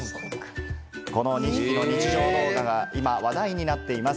この２匹の日常動画が、今話題になっています。